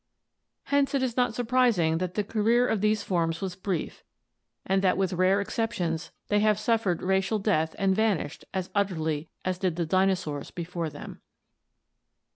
Hence it is not surprising that the career of these forms was brief and that with rare exceptions they have suffered racial death and vanished as utterly as did the dinosaurs before them.